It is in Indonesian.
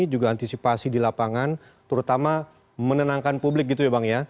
juga antisipasi di lapangan terutama menenangkan publik gitu ya bang ya